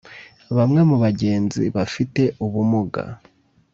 Bamwe mu bagenzi bafite ubumuga